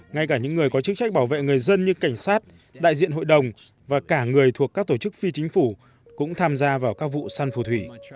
ngay cả những người có chức trách bảo vệ người dân như cảnh sát đại diện hội đồng và cả người thuộc các tổ chức phi chính phủ cũng tham gia vào các vụ săn phù thủy